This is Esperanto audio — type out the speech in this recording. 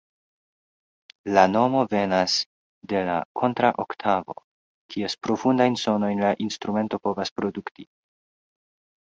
La nomo venas de la kontra-oktavo, kies profundajn sonojn la instrumento povas produkti.